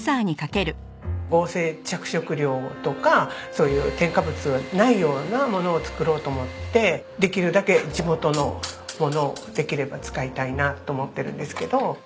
合成着色料とかそういう添加物がないようなものを作ろうと思ってできるだけ地元のものをできれば使いたいなと思ってるんですけど。